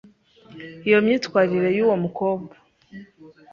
Iyo myitwarire y’uwo mukobwa